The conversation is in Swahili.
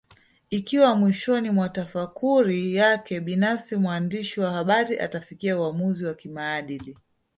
Ikiwa mwishoni mwa tafakuri yake binafsi mwandishi wa habari atafikia uamuzi wa kimaadili